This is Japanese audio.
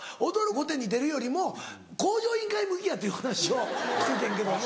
御殿‼』に出るよりも『向上委員会』向きやっていう話をしててんけども。